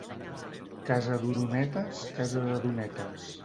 Casa d'oronetes, casa de donetes.